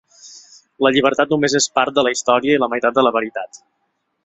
La llibertat només és part de la història i la meitat de la veritat.